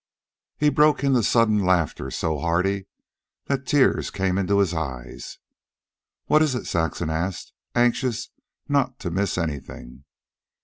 He broke into sudden laughter, so hearty that the tears came into his eyes. "What is it?" Saxon asked, anxious not to miss anything.